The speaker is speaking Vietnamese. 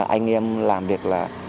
anh em làm việc